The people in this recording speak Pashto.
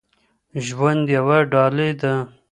ژوند یوه ډالۍ ده.